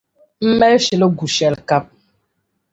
M mali shili gu shɛlikam.